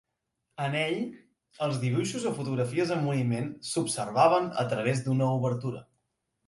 En ell, els dibuixos o fotografies en moviment s'observaven a través d'una obertura.